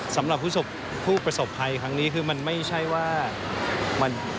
สำหรับผู้ประสบภัยครั้งนี้คือมันไม่ใช่ว่ามัน